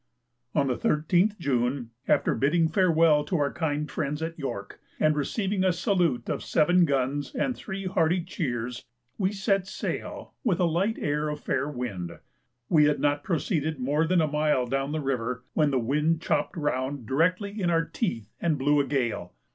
On the 13th June, after bidding farewell to our kind friends at York, and receiving a salute of seven guns and three hearty cheers, we set sail with a light air of fair wind. We had not proceeded more than a mile down the river, when the wind chopped round directly in our teeth, and blew a gale.